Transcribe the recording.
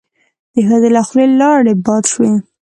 د ښځې له خولې لاړې باد شوې.